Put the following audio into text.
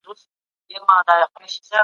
د بل مال په ناحقه اخیستل فساد دی.